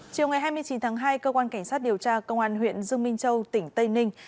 chiều ngày hai mươi chín tháng hai cơ quan cảnh sát điều tra công an huyện dương minh châu tỉnh tây ninh